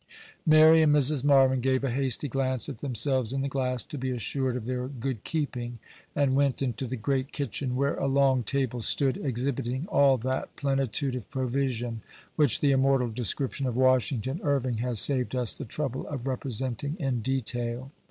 Mary and Mrs. Marvyn gave a hasty glance at themselves in the glass, to be assured of their good keeping, and went into the great kitchen, where a long table stood exhibiting all that plenitude of provision which the immortal description of Washington Irving has saved us the trouble of representing in detail.